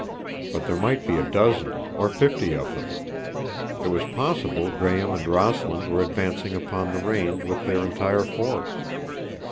But there might be a dozen or fifty of them. It was possible Graham and Rossland were advancing upon the range with their entire force.